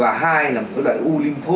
và hai là cái loại u lympho